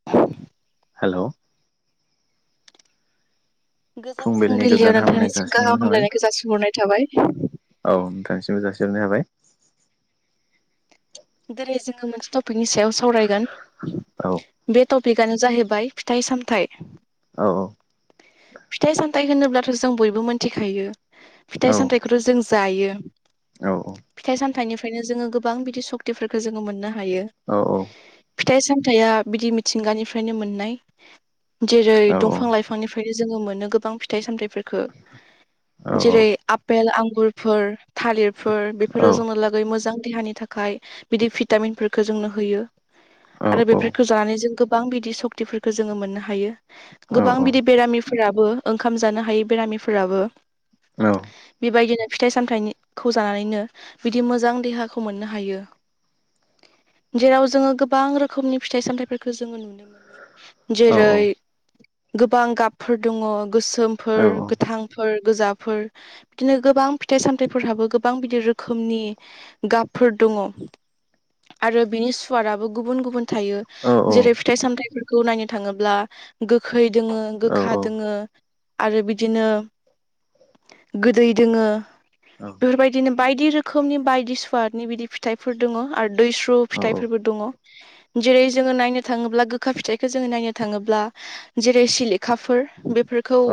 [unintelligible] हेल' गोजोन फुंबिलिनि फुंबिलियाव गोजोन हामलायनाय नोंथांनिसि गाहाम जासिहरनाय थाबाय हामलायनायखौ जासि हरनाय थाबाय। औ नोंथांनिसिमबो जासि हरनाय जाबाय दिनै जोङो मोनसे टपिकनि सायाव सावरायगोन औ बेट अपिकआानो जाहैबाय फिथाइ सामथाइ औ औ फिथाइ सामथाइ होनोब्लाथ' जों बयबो मोनथिखायो औ फिथाइ सामथायाइखौथ' जों जायो औ फिथाइ सामथाइनिफ्रायनो जोङो गोबां बिदि सत फोरखौ जोङो मोननो हायो। औ फिथाइ सामथायाइआ बिदि मिथिंगानिफ्रायनो मोननाय जेरै औ दंफां लाइफांनिफ्रायनो जोङो मोनो गोबां फिथाइ सामथाइफोरफोरखौ औ जेरै आफपेल आंगुरफोर थालिरफोर औ बेफोरो जोंहा लागै मोजां देहानि थाखाय बिदि भिटामिनफोरखौ जोंनो होयो। औ आरो बेफोरखौ जानानै जों गोबां बिदि सक्तिफोरखौ जोंङो मोननो हायो गोबां बिदि बेरामिफोराबो ओंखाम जानो हायै बेरामिफोराबो बेबायदिनो फिथाइ सामथायाइखौ जानानैनो बिदि मोजां देहाखौ मोननो हायो जेराव जोङो गोबां रोखोमनि फिथाइ सामथायाइफोरखौ जोङो नुनो मोनो। जेरै गोबां गाबफोर दङ गोसोमफोर गोथांफोर गोजाफोर बिदिनो गोबां फिथाइ सामथाइफोरहाबो गोबां बिदि रोखोमनि गाबफोर दङ आरो बिनि सुवादाबो गुबुन गुबुन थायो जेरै फिथाइ सामथायाइफोरखौ नायनो थांङोब्ला गोखै दोङो गोखा दोङो आरो बिदिनो गोदै दोंङो बेफोरबायदिनो बायदि रोखोमनि बायदि सुवादनि बिदि फिथाइ फोर दंङ आरो दैस्रु फिथाइफोरबो दंङ जेरै जोङो नायनो थाङोब्ला गोखा फिथाइखौो जोङो नायनो थाङोब्ला जेरै सिलेखाफोर बेफोरखौ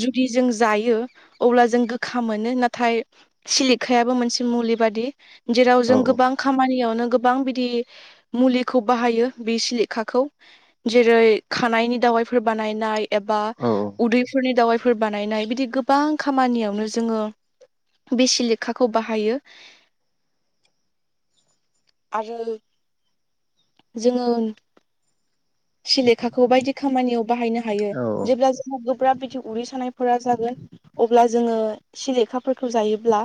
जुदि जों जायो अब्ला जों गोखा मोनो नाथाय सिलिखायाबो मोनसे मुलि बादि जेराव जों गोबां खामानियावनो गोबां बिदि मुलिखौ बाहायो बे सिलेखाखौ जेरै खानायनि दावाइफोर बानायनाय एबा उदैफोरनि दावाइफोर बानायनाय बिदि गोबां खामानियावनो जोङो बे सिलेखाखौ बाहायो आरो जोंङो सिलेखाखौ बायदि खामानियाव बाहायनो हायो जेब्ला जोंहा गोब्राब बिदि उदै सानायफोरा जागोन अब्ला जोङो सिलेखाफोरखौ जायोब्ला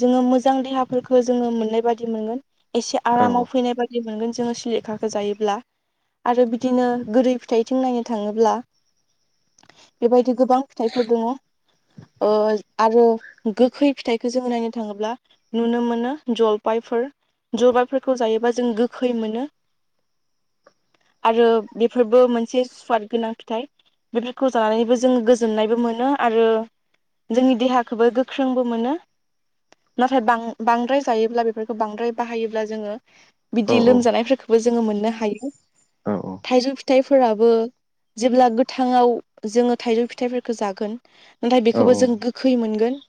जोंङो मोजां देहाफोरखौ जोङो मोननाय बाददि मोनगोन एसे आरामाव फैनाय बाददि मोनगोन जोंङो सलिखााखो जायोब्ला आरो बि बिदिनो गोोरै फिथाइथिं नायनो थाङोब्ला बेबायदि गोबां फिथाइफोर दङ आरो गोखै फिथाइखौो जोंङो नायनो थाङोब्ला नुनो मोनो जलफबायफोर जलफबायफोरखौ जायोबा जों गोखै मोनो आरो बेफोरबो मोनसे सुवाद गोनां फिथाइ बेफोरखौ जानानैबो जोंङो गोजोननायबो मोनो आरो जोंनि देहाखौबो गोख्रोंबो मोनो नाथायां बांद्राय जायोब्ला बेफोरखौ बांद्राय बाहायोब्ला जोंङो बिदि लोमजानायफोरखौबो जोंङो मोननो हायो थाइजौ फिथाइफोराबो जेब्ला गोथाङाव जोंङो थाइजौ फिथाइफोरखौ जागोन नाथाय बेखौबो जों गोखै मोनगोन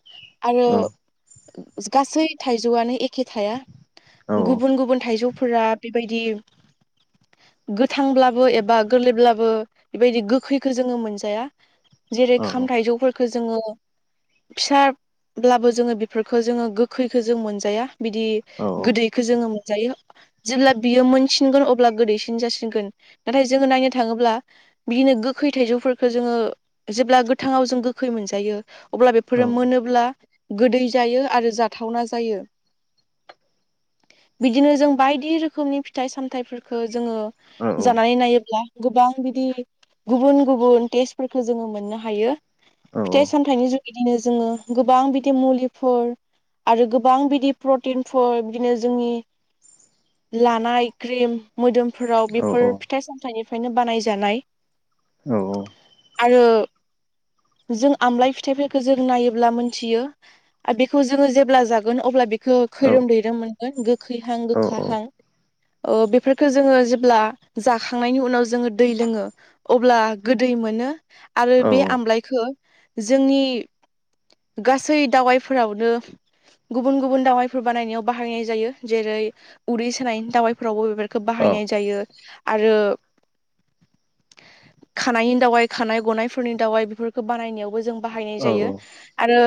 आरो गासै थाइजौआनो एखे थाया गुबुन गुबुन थाइजौफोरा बेबायदि गोथांब्लाबो एबा गोरलैब्लाबो बेबायदि गोखैखो जोङो मोनजाया जेरै खाम थाइजौफोरखौ जोंङो फिसा ब्लाबो जोङो बेफोरखौ जोंङो गोखैखो जों मोनजाया बिदि गोदैखौ जोंङो मोनजायो जेब्ला बियो मोनसिनगोन अब्ला गोदैसिन जासिगोन नाथाय जोङो नायनो थांङोब्ला बिदिनो गोखै थाइजौफोरखौ जोंङो जेब्ला गोथाङाव जों गोखै मोनजायो अब्ला बेफोरो मोनोब्ला गोदै जायो आरो जाथावना जायो बिदिनो जों बायदि रोखोमनि फिथाइ सामथाइफोरफोरखौ जोंङो जानानै नायोब्ला गोबां बिदि गुबुन गुबुन टेस्टफोरखौ जोङो मोननो हायो फिथाइ सामथाइनि जुग बिदिनो जोङो गोबां बिदि मुलिफोर आरो गोबां बिदि प्रटिनफोर बिदिनो जोंनि लानाय क्रिम मोदोमफोराव बेफोर फिथाइ सामथाइनिफ्रायनो बानायजानाय औ औ आरो जों आमलाय फिथाइफोरखौ जों नायोब्ला मोनथियो आरो बेखौ जोङो जेब्ला जागोन अब्ला बेखौ खैरोम दैैरोम मोनगोन गोखैहां गोखाहां बेफोरखौ जोंङो जेब्ला जाखांनायनि उनाव जोंङो दै लोंङो अब्ला गोदै मोनो आरो बे आमलाइखौ जोंनि गासै दावाइफोरावनो गुबुन गुबुन दावाइफोर बानायनायाव बाहायनाय जायो जेरै उदै सोनाय दावायफोरावबो बे औ बाहायनाय जायो आरो खानायनि दावाइ खानाय गनायफोरनि दावाइ बेफोरखौ बानायनायावबो जों बाहायनाय जायो। औ औ आरो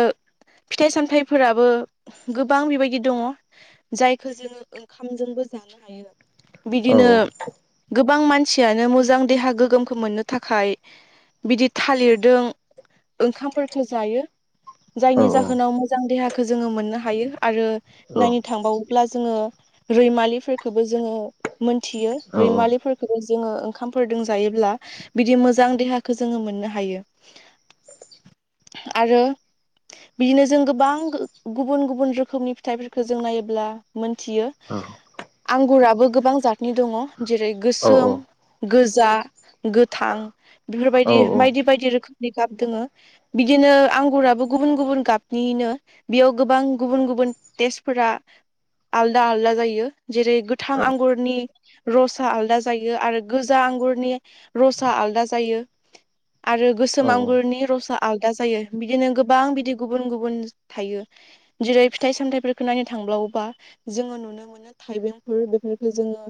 फिथाइ सामथाइफोराबो गोबां बेबायदि दङ। जायखौ जोङो ओंखामजोंबो जानो हायो आरो। बिदिनो गोबां मानसियानो मोजां देहा गोग्गोमखौ मोननो थाखाय बिदि थालिरदों ओंखामफोरफोरखौ जायो। जायनि जाहोनाव मोजां देहाखौ जोङो मोननो हायो आरो नायनो थांबावोब्ला जोङो रैमालिफोरखौबो जोङो मोनथियो रैमालिफोरखौ जोङो ओंखामफोरजों जायोब्ला बिदि मोजां देहाखौ जोङो मोननो हायो। आरो बिदिनो जों गोबां गुबुन गुबुन रोखोमनि फिथाइफोरखौ जों नायोब्ला मोनथियो। आंगुराबो गोबां जतनि दङ जेरै गोसोम गोजा गोथां बेफोरबायदि बायदि फिथाइ बायदि रोखोमनि गाब दोङो। बिदिनो आंगुराबो गुबुन गुबुन गाबनिनो बेयाव गोबां गुबुन गुबुन टेस्टफोरा आलदा आलदा जायो। जेरै गोथां आंगुरनि रसा आ आलदा जायो आरो गोजा आंगुरनि रसाआ आलदा जायो। आरो गोसोम आंगुरनि रसा आलादा जायो बिदिनो गोबां बिदि गुबुन गुबुन थायो जेरै फिथाइ सामथायाइफोरखौ नायनो थांबावोबा जोङो नुनो मोनो। थाइबेंफोर बेफोरफोरखौ जोङो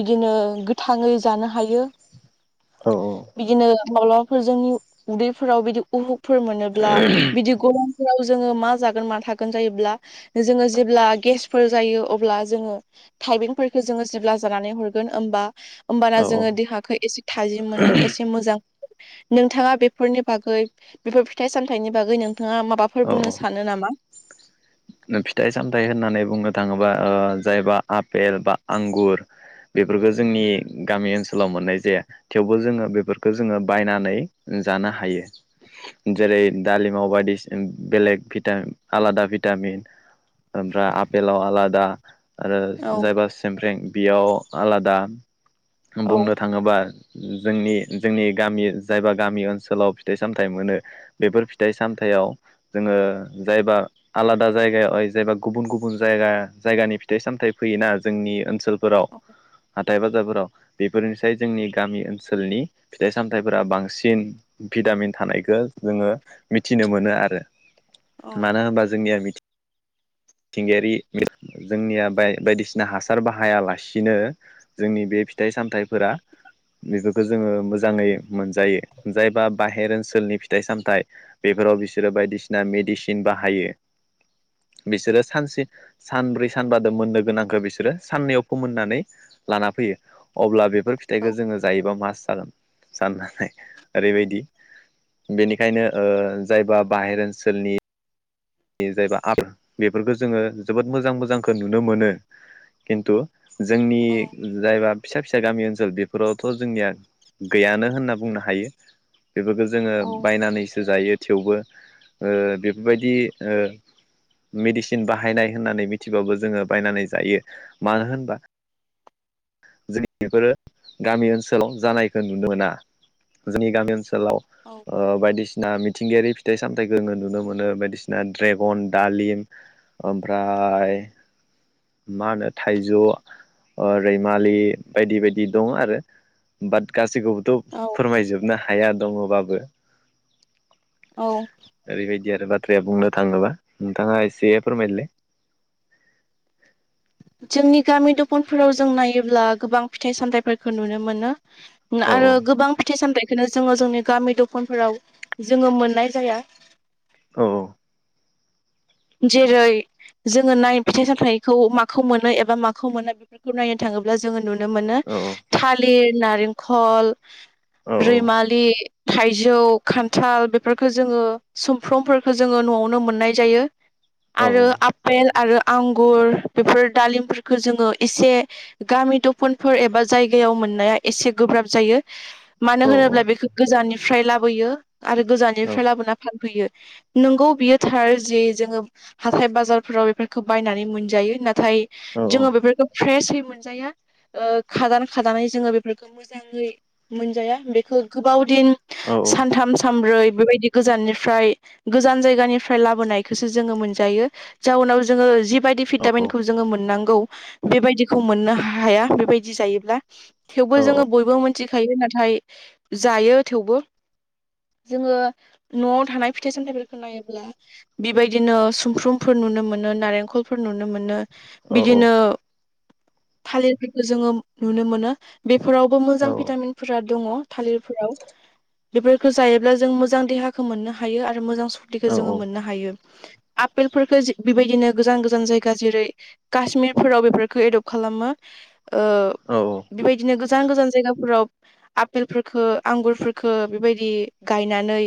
बिदिनो गोथाङै जानो हायो। बिदिनो माब्लाबाफोर जोंनि उदैफोराव बिदि उहुकफोर मोनोब्ला बिदि गरमफोराव जोङो मा जागोन मा थागोन जायोब्ला जोङो जेब्ला गेसफोर जायो अब्ला जोङो थाइबेंफोरखौ जोङो जेब्ला जानानै हरगोन होमबा होमबाना जोङो देहाखौ एसे थाजिम मोनगोन एसे मोजां नोंथाङा बेफोरनि बागै बेफोर फिथाइ सामथाइनि बागै नोंथाङा माबाफोर बुंनो सानो नामा। फिथाइ सामथायाइ होननानै बुंनो थाङोबा जायबा आफपेल बा आंगुर बेफोरखौ जोंनि गामि ओनसोलाव सोलाव मोननाय जाया थेवबो जोङो बेफोरखौ जोङो बायनानै जानो हायो। जेरै दालिमाव बायदिसिना बेलेग भिटिन आलादा भिटामिन ओमफ्राय आपेलाव आलादा आरो औ जायबा सेमप्रेंक बेयाव आलादा बुंनो औ थाङोबा जोंनि जोंनि गामि जायबा गामि ओनसोलाव फिथाइ सामथाइ मोनो। बेफोर फिथाइ सामथायाइयाव जोङो जायबा आलादा। जायगायाव ओ जायबा गुबुन गुबुन जायगा जायगानि फिथाइ सामथायाइ फैयोना जोंनि ओनसोलफोराव हाथाय बाजारफोराव बेफोरनिसाय जोंनि गामि ओनसोलनि फिथाइ सामथाइफोरा बांसिन भिटामिन थानायखौ जोङो मिथिनो मोनो आरो औ मानो होनबा जोंनिया मिथिंगायारि जोंनिया बायदिसिना हासार बाहायालासिनो जोंनि बे फिथाइ सामथाइफोरा बेफोरखौ जोङो मोजाङै मोनजायो। जायबा बाहेर ओनसोलनि फिथाइ सामथाइ बेफोराव बिसोरो बायदिसिना मेडिसिन बाहायो। बिसोरो सानसे सानब्रै सानबादो मोननो गोनांखौ बिसोरो साननैयाव फोमोननानै लाना फैयो अब्ला बे बेफोर फिथाइखौ जोङो जायोबा मास जागोन साननानै ओरैबायदि बेनिखायनो जायबा बाहेर ओनसोलनि बे जाहबा आर बेफोरखौ जोङो जोबोद मोजां मोजांखौ नुनो मोनो खिन्थु जोंनि औ जायबा फिसा फिसा गामि ओनसोल बेफोरावथ' जोंनिया गैयानो होनना बुंनो हायो। बेफोरखौ जोङो औ बायनानैसो जायो थेवबो बेफोरबायदि मेडिसिन बाहायनाय होननानै मिथिबाबो जोङो बायनानै जायो मानो होनबा जों बेफोरो गामि ओनसोलाव जानायखौ नुनो मोना। जोंनि गामि ओनसोलाव औ। बायदिसिना मिथिंगायारि फिथाइ सामथायाइखौ जोङो नुनो मोनो बायदिसिना ड्रेगन डालिम ओमफ्राय मा होनो थाइजौ रैमालि बायदि बायदि दं आरो बाट गासैखौबो थ' फोरमायजोबनो हाया दङबाबो। औ। ओरैबायदि आरो बाथ्राया बुंनो थाङोब्ला नोंथाङा एसे फोरमायलै जोंनि गामि दखानफोराव जों नायोब्ला गोबां फिथाइ सामथायाइफोरखौ नुनो मोनो। औ आरो गोबां फिथाइ सामथायखौनो जोङो जोंनि गामि दखानफोराव जोङो मोननाय जाया। औ। जेरै जोङो नाय फिथाइ सामथायखौ माखौ मोनो एबा माखौ मोना बेफोरखौ नायनो थाङोब्ला जोङो नु बो मोनो औ थालिर नालिंखर औ रैमालि बिदि थाइजौ खान्थाल बेफोरखौो जोङो सुमफ्रामफोरखौो जोङो न'आवनो मोननाय जायो। औ आरो आफपेल आरो आंगुर बेफोर दालिमफोरखौ जोङो एसे गामि दफनफोर एबा जायगायाव मोननाया एसे गोब्राब जायो। औ मानो होनोब्ला बेखौ गोजाननिफ्राय लाबोयो आरो औ गोजाननिफ्राय लाबोना फानफैयो नंगौ बियोथार जे जोङो हाथाय बाजारफोराव बेफोरखौ बायनानै मोनजायो। नाथाय औ औ जोङो बेफोरखौ फ्रेशयै मोनजाया खादान खादानानै जोङो बेफोरखौ मोजाङै मोनजाया बेखौ गोबाव दिन सानथाम सानब्रै बेबायदि गोजाननिफ्राय गोजान जायगानिफ्राय लाबोनाय। खौसो जोङो मोनजायो जाउनाव जोङो जिबायदि भिटामिनखौ जोङो मोननांगौ। बेबायदिखौ मोननो हाया बेबायदि जायोब्ला थेवबो जोङो बयबो मोनसे थिखायो नाथाय जायो थेवबो जोङो न'आव थानाय फिथाइ सामथायाइफोरखौ नायोब्ला बेबायदिनो सुमफ्रुमफोर नुनो मोनो नारेंखलफोर नुनो मोनो बिदिनो थालिरफोरखौ जोङो नुनो मोनो बेफोरावबो औ मोजां भिटामिन फोरा दङ थालिरफोराव बेफोरखौ जायोब्ला जों मोजां देहाखौ मोननो हायो आरो मोजां सखथिखौ जोङो मोननो हायो आफेलफोरखौ बेबायदिनो गोजान गोजान जायगा जेरै काश्मिरफोराव बेफोरखौ एदप्ट खालामो बेबायदिनो गोजान गोजान जायगाफोराव आफेलफोरखो आंगुरफोरफोरखौ बेबायदि गायनानै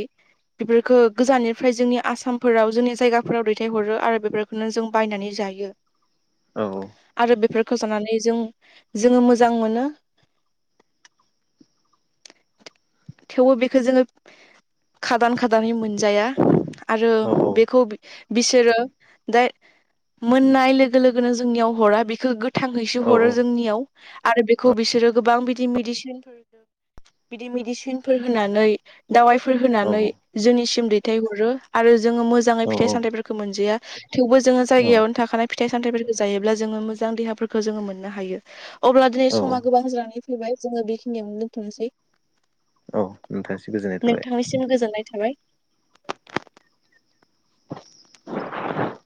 बेफोरखौ गोजाननिफ्राय जोंनि आसाम फोराव जोंनि जायगाफोराव दैथायहरो आरो बेफोरखौनो जों बायनानै जायो औ औ आरो बेफोरखौ जानानै जों जोङो मोजां मोनो थेवबो बेखौ जोङो खादान खादान मोनजाया आरो बेखौ बिसोरो दा मोननाय लोगो लोगोनो जोंनियाव हरा बेखौ थांहैसो हरो जोंनियाव आरो बेखौ बिसोरो गोबां बिदि मेडिसिनफोर बिदि मेदिसिन फोर होनानै दावाइफोर होनानै जोंनिसिम दैथायहरो आरो जोङो मो मोजाङै फिथाइ औ सामथाइफोरखौ मोनजाया थेवबो जोङो औ जायगायावनो थाखानाय फिथाइ सामथाइफोरखौ जायोब्ला जोङो मोजां देहाफोरखौ जोङो मोननो हायो अब्ला दिनै समा औ गोबां जानानै फैबाय जोङो बेखिनियावनो दोनथ'नोसै। नोंथासे गोजोननाय थाबाय। नोंथांनिसिम गोजोननाय थाबाय। [inaudible]